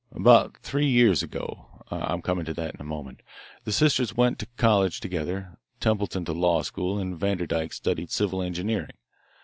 "About three years ago. I'm coming to that in a moment. The sisters went to college together, Templeton to law school, and Vanderdyke studied civil engineering.